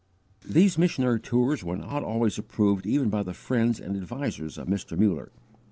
These missionary tours were not always approved even by the friends and advisers of Mr. Muller.